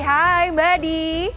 hai mbak di